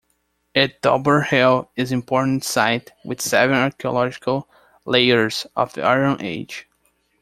At Dobor hill is important site with seven archaeological layers of the Iron Age.